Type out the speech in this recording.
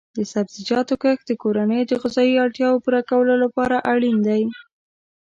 د سبزیجاتو کښت د کورنیو د غذایي اړتیاو پوره کولو لپاره اړین دی.